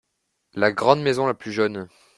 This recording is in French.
La grande maison la plus jaune.